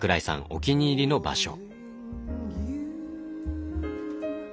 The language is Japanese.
お気に入りの場所。